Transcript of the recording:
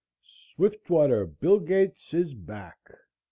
"SWIFTWATER BILL GATES is back."